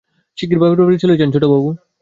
শিগগির বাপের বাড়ি চলে যাব ছোটবাবু।